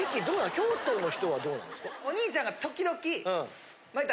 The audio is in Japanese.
京都の人はどうなんですか？